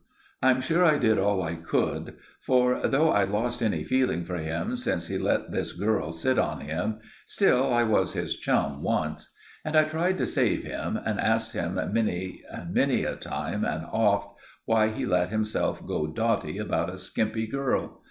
I'm sure I did all I could, for, though I'd lost any feeling for him since he let this girl sit on him, still I was his chum once. And I tried to save him, and asked him, many a time and oft, why he let himself go dotty about a skimpy girl.